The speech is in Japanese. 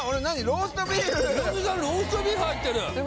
ローストビーフ入ってる！